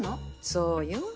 そうよ。